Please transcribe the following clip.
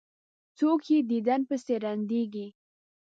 څوک یې دیدن پسې ړندیږي.